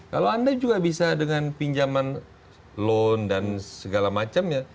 kalau anda juga bisa dengan pinjaman loan dan segala macam ya